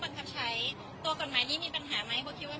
แต่ว่าประเด็นในวันนี้เนี่ยพวกเข้าคิดว่า